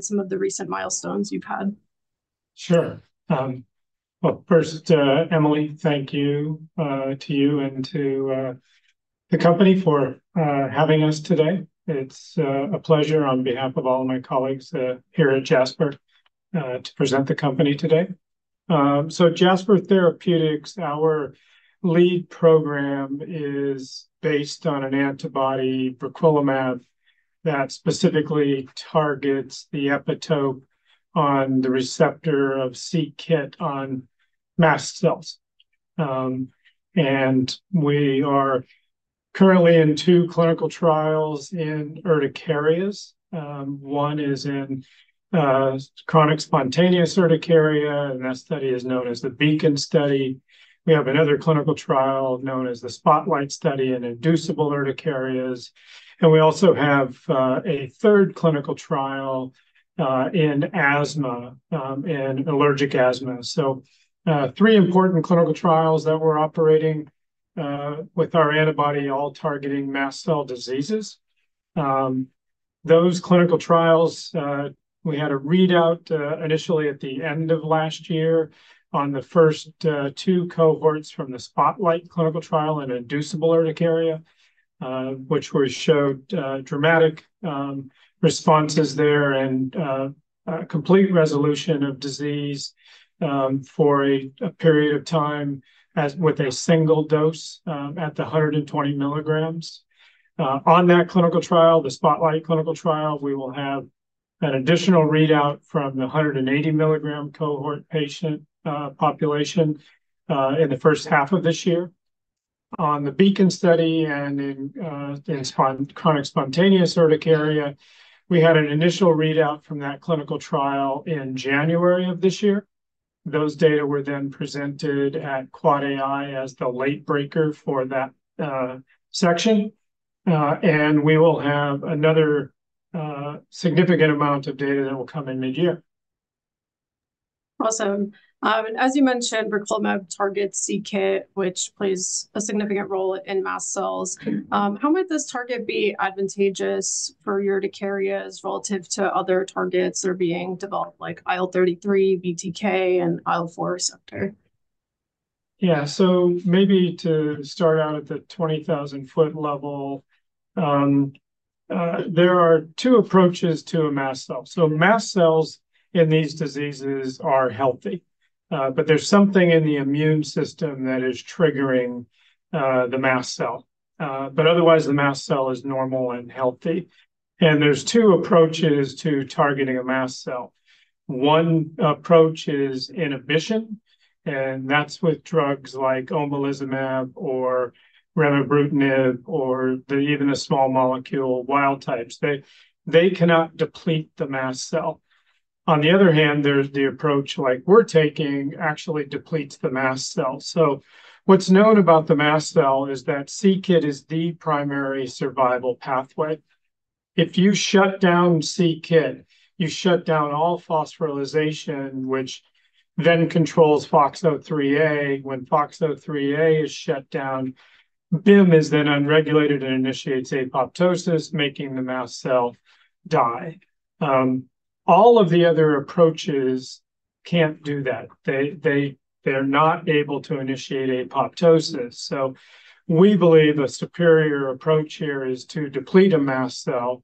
Some of the recent milestones you've had. Sure. First, Emily, thank you to you and to the company for having us today. It's a pleasure on behalf of all my colleagues here at Jasper to present the company today. Jasper Therapeutics, our lead program is based on an antibody, briquilimab, that specifically targets the epitope on the receptor of c-Kit on mast cells. We are currently in two clinical trials in urticarias. One is in chronic spontaneous urticaria, and that study is known as the Beacon study. We have another clinical trial known as the Spotlight study in inducible urticarias. We also have a third clinical trial in asthma, in allergic asthma. Three important clinical trials that we're operating with our antibody, all targeting mast cell diseases. Those clinical trials, we had a readout initially at the end of last year on the first two cohorts from the Spotlight clinical trial in inducible urticaria, which showed dramatic responses there and complete resolution of disease for a period of time with a single dose at the 120 milligrams. On that clinical trial, the Spotlight clinical trial, we will have an additional readout from the 180 milligram cohort patient population in the first half of this year. On the Beacon study in chronic spontaneous urticaria, we had an initial readout from that clinical trial in January of this year. Those data were then presented at Quad AI as the late breaker for that section. We will have another significant amount of data that will come in midyear. Awesome. As you mentioned, briquilimab targets c-Kit, which plays a significant role in mast cells. How might this target be advantageous for urticarias relative to other targets that are being developed, like IL-33, BTK, and IL-4 receptor? Yeah. Maybe to start out at the 20,000-foot level, there are two approaches to a mast cell. Mast cells in these diseases are healthy, but there is something in the immune system that is triggering the mast cell. Otherwise, the mast cell is normal and healthy. There are two approaches to targeting a mast cell. One approach is inhibition, and that is with drugs like omalizumab or remibrutinib or even a small molecule, wild types. They cannot deplete the mast cell. On the other hand, there is the approach like we are taking that actually depletes the mast cell. What is known about the mast cell is that c-Kit is the primary survival pathway. If you shut down c-Kit, you shut down all phosphorylation, which then controls FOXO3A. When FOXO3A is shut down, BIM is then upregulated and initiates apoptosis, making the mast cell die. All of the other approaches can't do that. They're not able to initiate apoptosis. We believe a superior approach here is to deplete a mast cell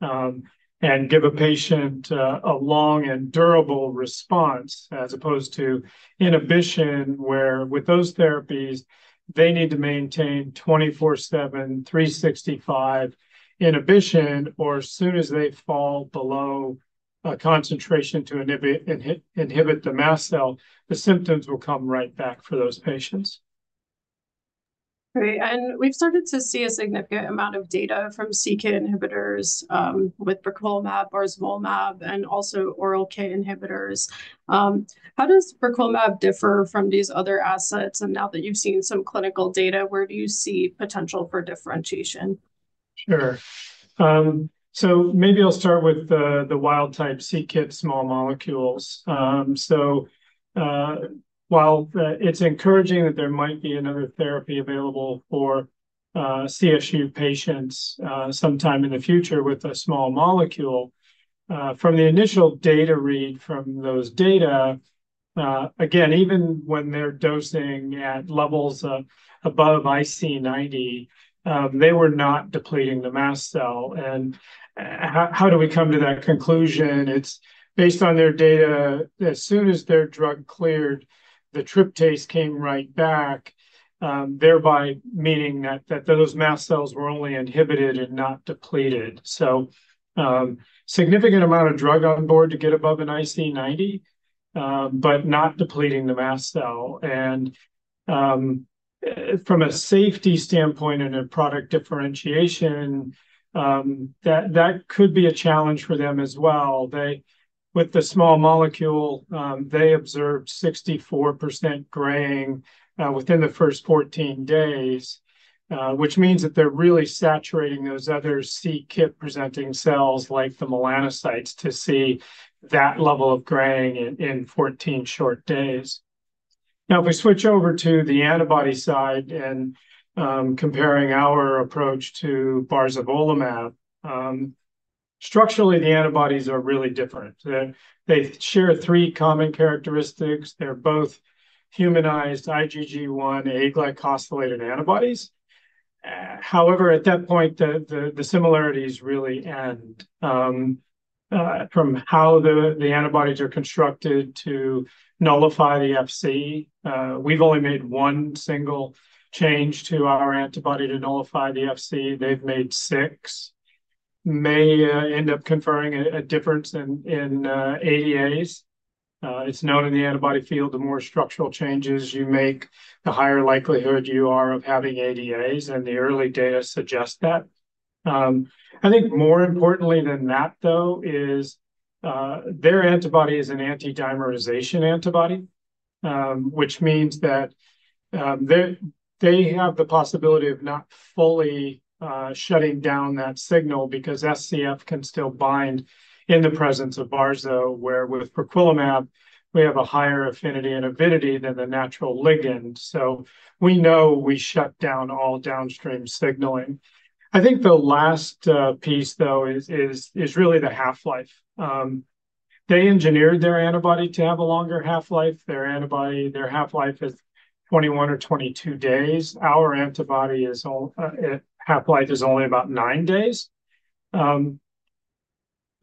and give a patient a long and durable response, as opposed to inhibition, where with those therapies, they need to maintain 24/7, 365 inhibition, or as soon as they fall below a concentration to inhibit the mast cell, the symptoms will come right back for those patients. Great. We have started to see a significant amount of data from c-Kit inhibitors with briquilimab, omalizumab, and also oral kit inhibitors. How does briquilimab differ from these other assets? Now that you have seen some clinical data, where do you see potential for differentiation? Sure. Maybe I'll start with the wild type c-Kit small molecules. While it's encouraging that there might be another therapy available for CSU patients sometime in the future with a small molecule, from the initial data read from those data, again, even when they're dosing at levels above IC90, they were not depleting the mast cell. How do we come to that conclusion? It's based on their data. As soon as their drug cleared, the tryptase came right back, thereby meaning that those mast cells were only inhibited and not depleted. Significant amount of drug on board to get above an IC90, but not depleting the mast cell. From a safety standpoint and a product differentiation, that could be a challenge for them as well. With the small molecule, they observed 64% graying within the first 14 days, which means that they're really saturating those other c-Kit presenting cells like the melanocytes to see that level of graying in 14 short days. Now, if we switch over to the antibody side and comparing our approach to barzolvolimab, structurally, the antibodies are really different. They share three common characteristics. They're both humanized IgG1 aglycosylated antibodies. However, at that point, the similarities really end from how the antibodies are constructed to nullify the FC. We've only made one single change to our antibody to nullify the FC. They've made six. May end up conferring a difference in ADAs. It's known in the antibody field, the more structural changes you make, the higher likelihood you are of having ADAs, and the early data suggest that. I think more importantly than that, though, is their antibody is an anti-dimerization antibody, which means that they have the possibility of not fully shutting down that signal because SCF can still bind in the presence of barzolvolimab, where with briquilimab, we have a higher affinity and avidity than the natural ligand. So we know we shut down all downstream signaling. I think the last piece, though, is really the half-life. They engineered their antibody to have a longer half-life. Their antibody, their half-life is 21 or 22 days. Our antibody half-life is only about nine days.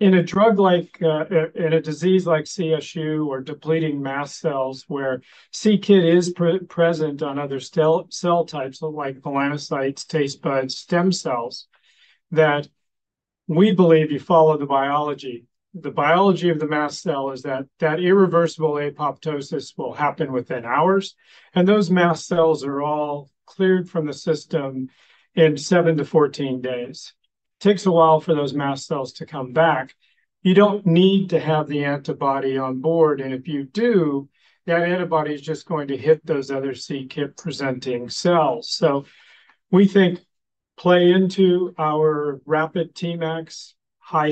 In a drug like, in a disease like CSU or depleting mast cells, where c-Kit is present on other cell types, like melanocytes, taste buds, stem cells, that we believe you follow the biology. The biology of the mast cell is that that irreversible apoptosis will happen within hours. Those mast cells are all cleared from the system in 7-14 days. It takes a while for those mast cells to come back. You don't need to have the antibody on board. If you do, that antibody is just going to hit those other c-Kit presenting cells. We think play into our rapid Tmax, high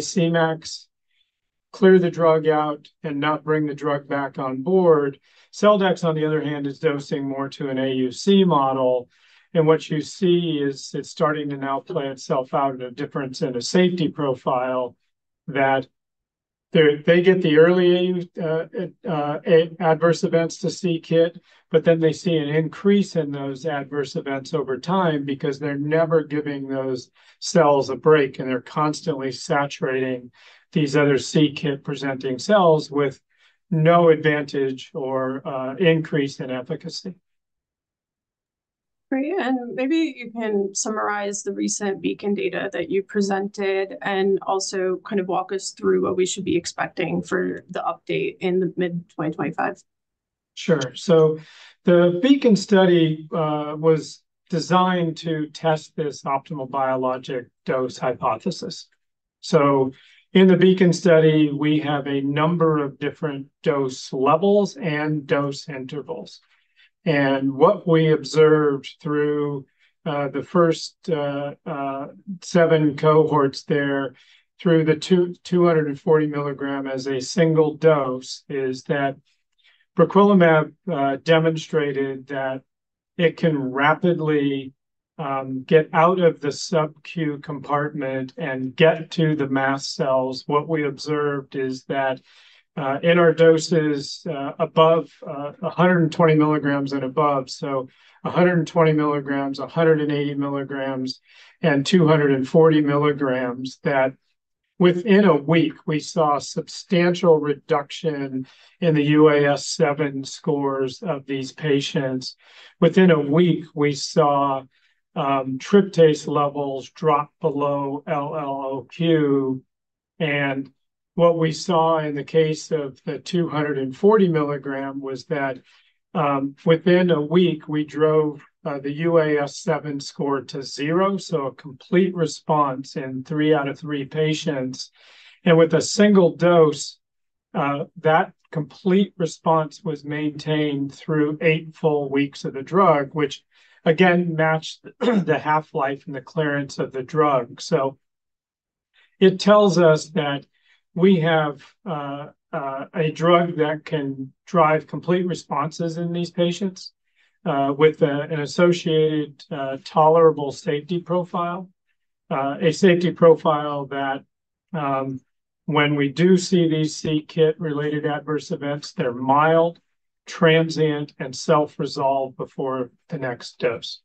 Cmax, clear the drug out and not bring the drug back on board. Celldex, on the other hand, is dosing more to an AUC model. What you see is it's starting to now play itself out in a difference in a safety profile that they get the early adverse events to c-Kit, but then they see an increase in those adverse events over time because they're never giving those cells a break, and they're constantly saturating these other c-Kit presenting cells with no advantage or increase in efficacy. Great. Maybe you can summarize the recent Beacon data that you presented and also kind of walk us through what we should be expecting for the update in mid-2025. Sure. The Beacon study was designed to test this optimal biologic dose hypothesis. In the Beacon study, we have a number of different dose levels and dose intervals. What we observed through the first seven cohorts there through the 240 milligram as a single dose is that briquilimab demonstrated that it can rapidly get out of the SubQ compartment and get to the mast cells. What we observed is that in our doses above 120 milligrams and above, so 120 milligrams, 180 milligrams, and 240 milligrams, within a week, we saw substantial reduction in the UAS7 scores of these patients. Within a week, we saw tryptase levels drop below LLOQ. What we saw in the case of the 240 milligram was that within a week, we drove the UAS7 score to zero, so a complete response in three out of three patients. With a single dose, that complete response was maintained through eight full weeks of the drug, which again matched the half-life and the clearance of the drug. It tells us that we have a drug that can drive complete responses in these patients with an associated tolerable safety profile, a safety profile that when we do see these c-Kit related adverse events, they're mild, transient, and self-resolved before the next dose.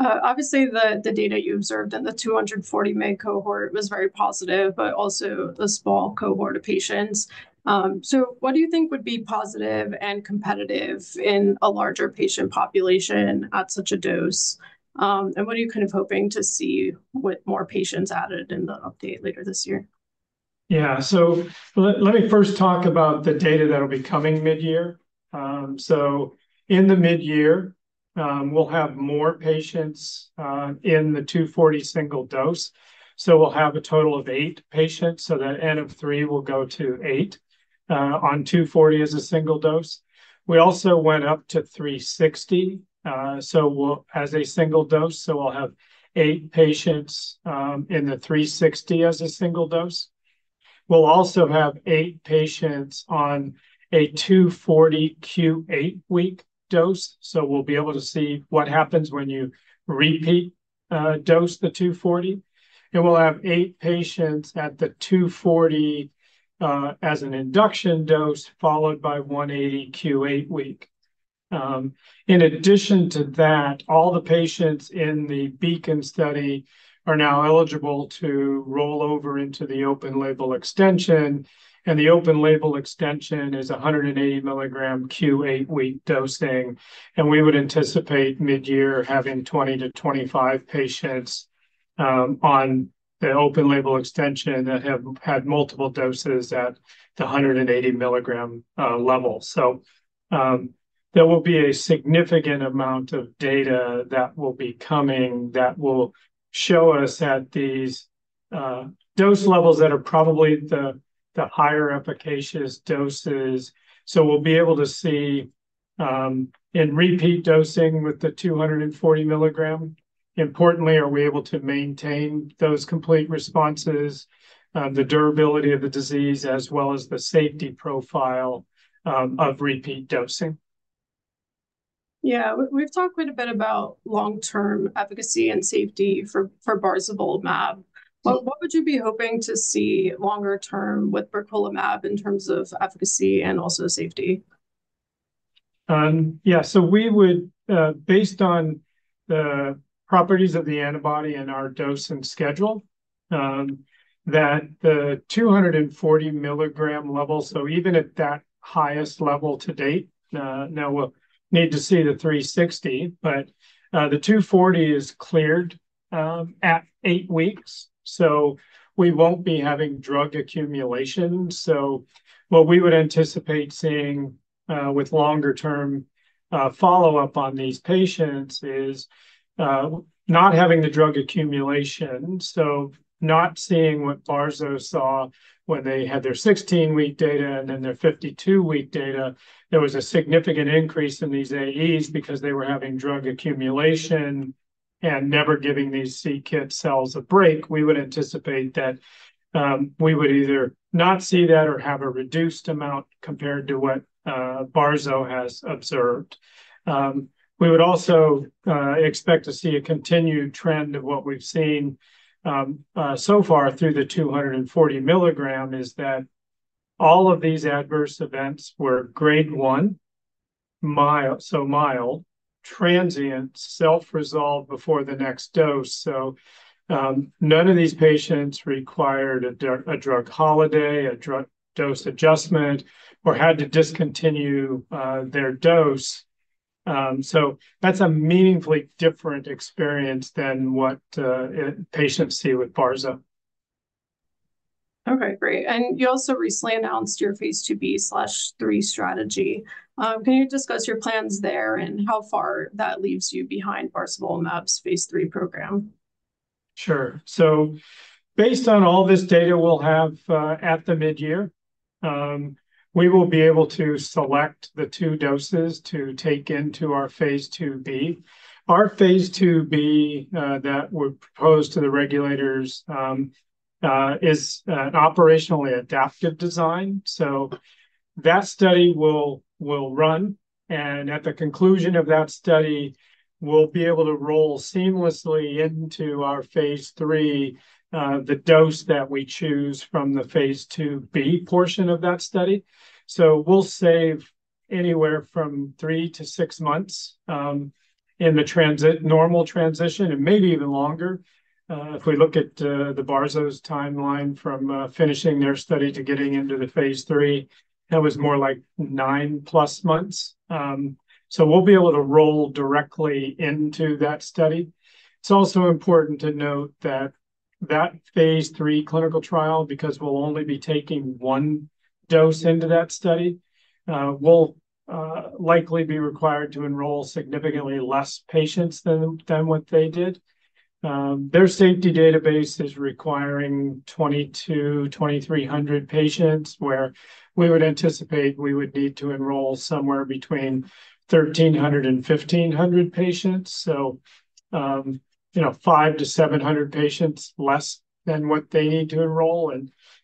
Obviously, the data you observed in the 240 mg cohort was very positive, but also the small cohort of patients. What do you think would be positive and competitive in a larger patient population at such a dose? What are you kind of hoping to see with more patients added in the update later this year? Yeah. Let me first talk about the data that'll be coming midyear. In the midyear, we'll have more patients in the 240 single dose. We'll have a total of eight patients. The N of three will go to eight on 240 as a single dose. We also went up to 360 as a single dose. We'll have eight patients in the 360 as a single dose. We'll also have eight patients on a 240 Q8 week dose. We'll be able to see what happens when you repeat dose the 240. We'll have eight patients at the 240 as an induction dose followed by 180 Q8 week. In addition to that, all the patients in the Beacon study are now eligible to roll over into the open label extension. The open label extension is 180 milligram Q8 week dosing. We would anticipate midyear having 20-25 patients on the open label extension that have had multiple doses at the 180 mg level. There will be a significant amount of data that will be coming that will show us at these dose levels that are probably the higher efficacious doses. We will be able to see in repeat dosing with the 240 mg, importantly, are we able to maintain those complete responses, the durability of the disease, as well as the safety profile of repeat dosing? Yeah. We've talked quite a bit about long-term efficacy and safety for barzolvolimab. What would you be hoping to see longer term with briquilimab in terms of efficacy and also safety? Yeah. We would, based on the properties of the antibody and our dose and schedule, that the 240 milligram level, so even at that highest level to date, now we'll need to see the 360, but the 240 is cleared at eight weeks. We won't be having drug accumulation. What we would anticipate seeing with longer-term follow-up on these patients is not having the drug accumulation. Not seeing what barzolvolimab saw when they had their 16-week data and then their 52-week data, there was a significant increase in these AEs because they were having drug accumulation and never giving these c-Kit cells a break. We would anticipate that we would either not see that or have a reduced amount compared to what barzolvolimab has observed. We would also expect to see a continued trend of what we've seen so far through the 240 milligram is that all of these adverse events were grade one, so mild, transient, self-resolved before the next dose. None of these patients required a drug holiday, a drug dose adjustment, or had to discontinue their dose. That's a meaningfully different experience than what patients see with barzolvolimab. Okay. Great. You also recently announced your phase 2b/3 strategy. Can you discuss your plans there and how far that leaves you behind barzolvolimab's phase 3 program? Sure. Based on all this data we'll have at the midyear, we will be able to select the two doses to take into our phase 2b. Our phase 2b that we've proposed to the regulators is an operationally adaptive design. That study will run. At the conclusion of that study, we'll be able to roll seamlessly into our phase 3 the dose that we choose from the phase 2b portion of that study. We'll save anywhere from three to six months in the normal transition and maybe even longer. If we look at the barzolvolimab timeline from finishing their study to getting into the phase 3, that was more like nine plus months. We'll be able to roll directly into that study. It's also important to note that that phase three clinical trial, because we'll only be taking one dose into that study, will likely be required to enroll significantly less patients than what they did. Their safety database is requiring 2,200-2,300 patients, where we would anticipate we would need to enroll somewhere between 1,300 and 1,500 patients. So 500-700 patients less than what they need to enroll.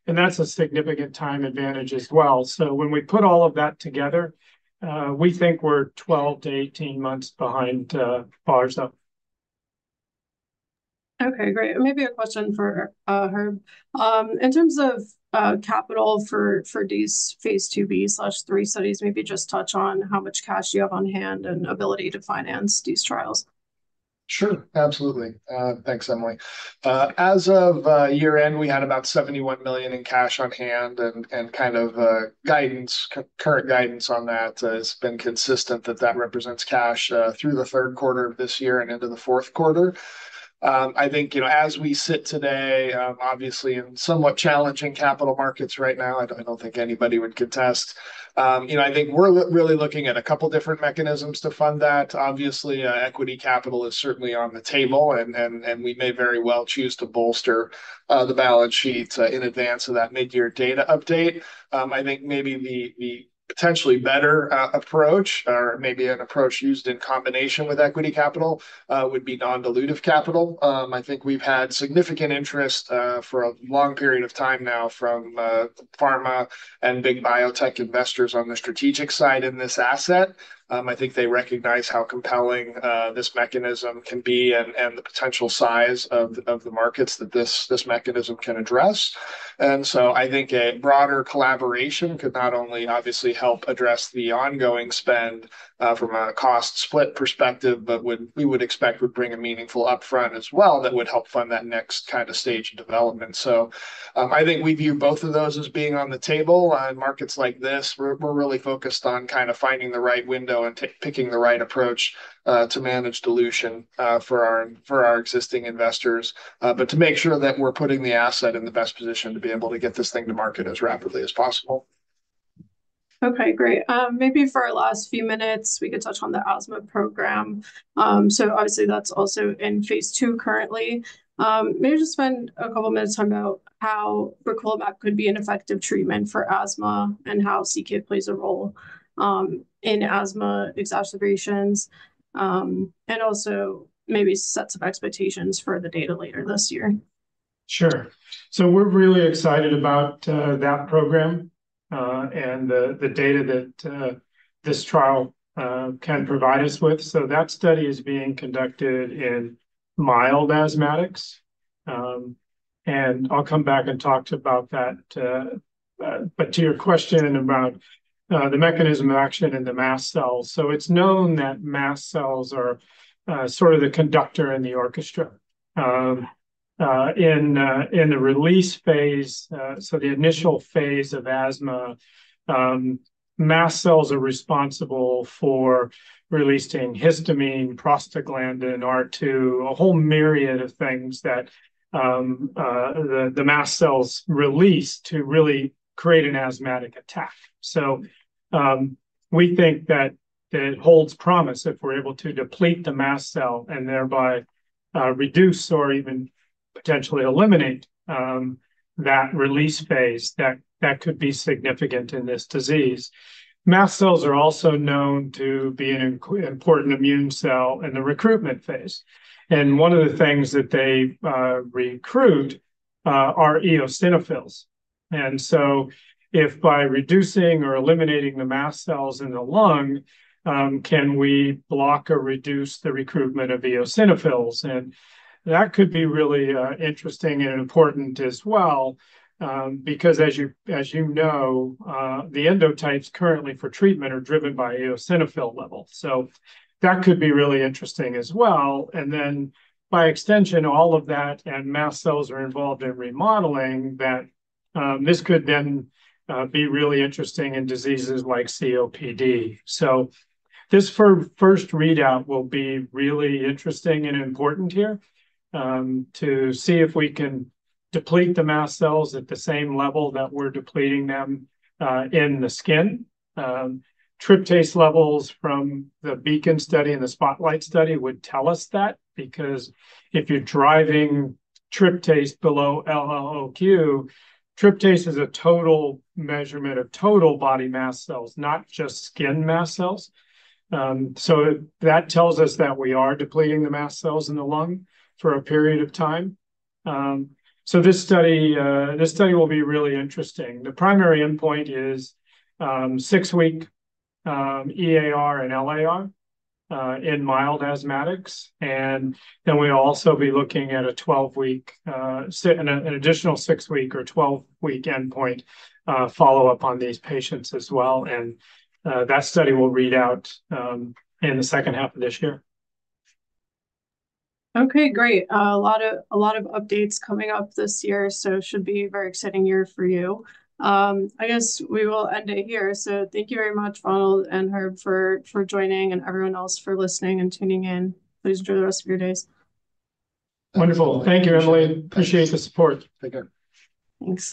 That's a significant time advantage as well. When we put all of that together, we think we're 12-18 months behind barzolvolimab. Okay. Great. Maybe a question for Herb. In terms of capital for these phase 2b/3 studies, maybe just touch on how much cash you have on hand and ability to finance these trials. Sure. Absolutely. Thanks, Emily. As of year end, we had about $71 million in cash on hand and kind of current guidance on that has been consistent that that represents cash through the third quarter of this year and into the fourth quarter. I think as we sit today, obviously in somewhat challenging capital markets right now, I do not think anybody would contest. I think we are really looking at a couple of different mechanisms to fund that. Obviously, equity capital is certainly on the table, and we may very well choose to bolster the balance sheet in advance of that midyear data update. I think maybe the potentially better approach, or maybe an approach used in combination with equity capital, would be non-dilutive capital. I think we have had significant interest for a long period of time now from pharma and big biotech investors on the strategic side in this asset. I think they recognize how compelling this mechanism can be and the potential size of the markets that this mechanism can address. I think a broader collaboration could not only obviously help address the ongoing spend from a cost split perspective, but we would expect would bring a meaningful upfront as well that would help fund that next kind of stage of development. I think we view both of those as being on the table. In markets like this, we're really focused on kind of finding the right window and picking the right approach to manage dilution for our existing investors, but to make sure that we're putting the asset in the best position to be able to get this thing to market as rapidly as possible. Okay. Great. Maybe for our last few minutes, we could touch on the asthma program. Obviously, that's also in phase two currently. Maybe just spend a couple of minutes talking about how briquilimab could be an effective treatment for asthma and how c-Kit plays a role in asthma exacerbations and also maybe sets of expectations for the data later this year. Sure. We're really excited about that program and the data that this trial can provide us with. That study is being conducted in mild asthmatics. I'll come back and talk to you about that. To your question about the mechanism of action in the mast cells, it's known that mast cells are sort of the conductor in the orchestra. In the release phase, the initial phase of asthma, mast cells are responsible for releasing histamine, prostaglandin, R2, a whole myriad of things that the mast cells release to really create an asthmatic attack. We think that it holds promise if we're able to deplete the mast cell and thereby reduce or even potentially eliminate that release phase. That could be significant in this disease. Mast cells are also known to be an important immune cell in the recruitment phase. One of the things that they recruit are eosinophils. If by reducing or eliminating the mast cells in the lung, can we block or reduce the recruitment of eosinophils? That could be really interesting and important as well because, as you know, the endotypes currently for treatment are driven by eosinophil levels. That could be really interesting as well. By extension, all of that and mast cells are involved in remodeling that this could then be really interesting in diseases like COPD. This first readout will be really interesting and important here to see if we can deplete the mast cells at the same level that we're depleting them in the skin. Tryptase levels from the Beacon study and the Spotlight study would tell us that because if you're driving tryptase below LLOQ, tryptase is a total measurement of total body mast cells, not just skin mast cells. That tells us that we are depleting the mast cells in the lung for a period of time. This study will be really interesting. The primary endpoint is six-week EAR and LAR in mild asthmatics. We will also be looking at an additional six-week or 12-week endpoint follow-up on these patients as well. That study will read out in the second half of this year. Okay. Great. A lot of updates coming up this year. It should be a very exciting year for you. I guess we will end it here. Thank you very much, Ronald and Herb, for joining and everyone else for listening and tuning in. Please enjoy the rest of your days. Wonderful. Thank you, Emily. Appreciate the support. Take care. Thanks.